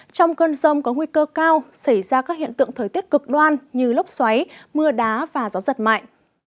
trong cơn rông có nguy cơ cao xảy ra các hiện tượng thời tiết cực đoan như lốc xoáy mưa đá và gió giật mạnh